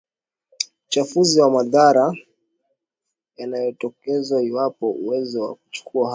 uchafuzi na madhara yanayotokezwaIwapo uwezo wa kuchukua hatua